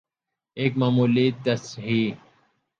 ایک معمولی تصحیح